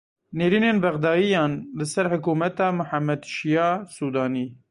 Nêrînên Bexdayiyan li ser hikûmeta Mihemed Şiya Sûdanî.